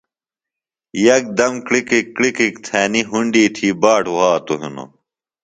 یکدم کِڑکک کِڑکک تھنیۡ ہُونڈی تھی باٹ وھاتوۡ ہِنوۡ